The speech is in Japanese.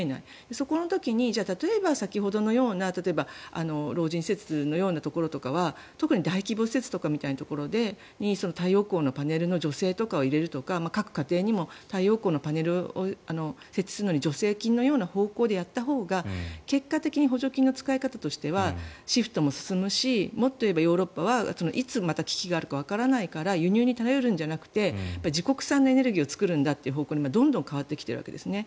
その時に例えば、先ほどのような老人施設のようなところとかは特に大規模施設みたいなところに太陽光のパネルの助成とかを入れるとか各家庭にも太陽光のパネルを設置するのに助成金のような方向でやったほうが結果的に補助金の使い方としてはシフトも進むしもっと言えばヨーロッパはいつまた危機があるかわからないから輸入に頼るんじゃなくて自国産のエネルギーを作るんだという方向にどんどん変わってきているわけですね。